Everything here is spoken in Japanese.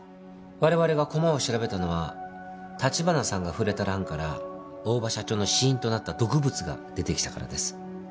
我々が駒を調べたのは橘さんが触れた蘭から大庭社長の死因となった毒物が出てきたからです。